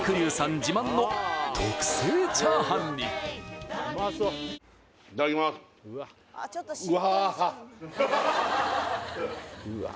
自慢の特製チャーハンにいただきますうわ